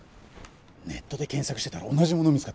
ネットで検索してたら同じもの見つかって。